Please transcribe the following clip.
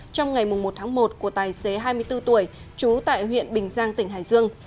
trong ngày một tháng một của tài xế hai mươi bốn tuổi trú tại huyện bình giang tỉnh hải dương